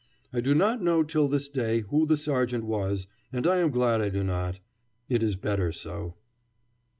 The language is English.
I do not know till this day who the sergeant was, and I am glad I do not. It is better so.